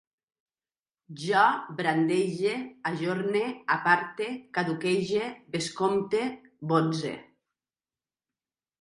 Jo brandege, ajorne, aparte, caduquege, bescompte, botze